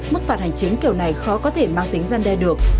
mức phạt hành chính kiểu này khó có thể mang tính gian đe được